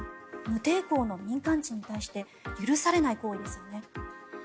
無抵抗の民間人に対して許されない行為ですよね。